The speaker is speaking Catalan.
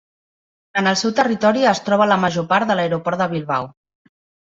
En el seu territori es troba la major part de l'aeroport de Bilbao.